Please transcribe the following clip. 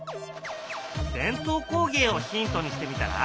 伝統工芸をヒントにしてみたら？